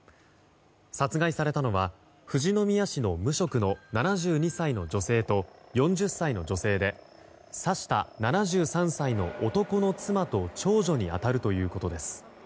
殺害されたのは富士宮市の無職の７２歳の女性と４０歳の女性で刺した７３歳の男の妻と長女に当たるということです。